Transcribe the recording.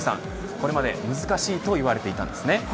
これまで難しいといわれていたんですね。